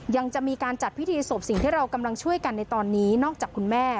ยังจะมีการจัดพิธีศพสิ่งที่เรากำลังช่วยกันในตอนนี้นอกจากคุณแม่